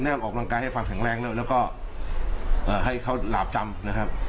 ออกกำลังกายให้ความแข็งแรงแล้วแล้วก็ให้เขาหลาบจำนะครับ